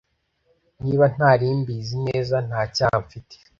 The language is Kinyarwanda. Niba ntari mbizi neza ntacyaha mfite.